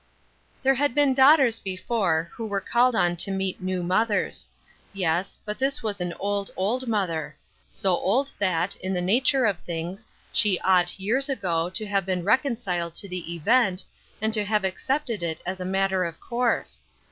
There had been daughters before, who were called on to meet new mothers. Yes, but this was an old, old mother — so old that, in the nat ure of things, she ought, years ago, to have been reconciled to the event, and to Lave accepted it aa a matter of course.